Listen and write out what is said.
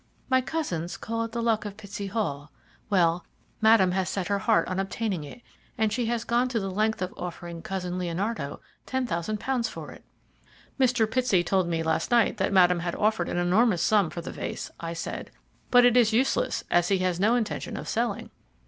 "My cousins call it 'The Luck of Pitsey Hall.' Well, Madame has set her heart on obtaining it, and she has gone to the length of offering Cousin Leonardo ten thousand pounds for it." "Mr. Pitsey told me last night that Madame had offered an enormous sum for the vase," I said; "but it is useless, as he has no intention of selling."